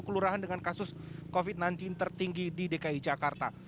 kelurahan dengan kasus covid sembilan belas tertinggi di dki jakarta